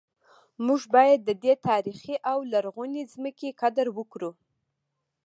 موږ باید د دې تاریخي او لرغونې ځمکې قدر وکړو